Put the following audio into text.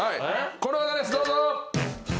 この方ですどうぞ！